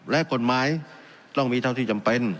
และกฎหมายต้องมีเท่าที่จำเป็น